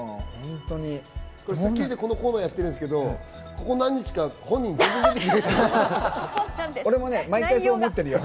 『スッキリ』でこのコーナーやってるんですけど、ここ何日か本人が全然出てきてな俺も毎回そう思ってるよ。